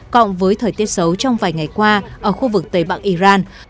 cộng với thời tiết xấu trong vài ngày qua ở khu vực tây bắc iran